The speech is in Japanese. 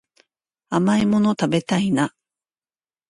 甘いもの食べたいな